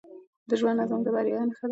د ژوند نظم د بریا نښه ده.